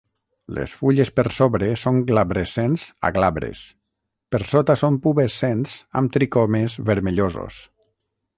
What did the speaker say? Les fulles per sobre són glabrescents a glabres, per sota són pubescents amb tricomes vermellosos.